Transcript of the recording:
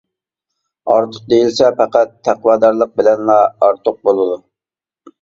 ئارتۇق دېيىلسە، پەقەت تەقۋادارلىق بىلەنلا ئارتۇق بولىدۇ.